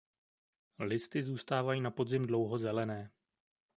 Listy zůstávají na podzim dlouho zelené.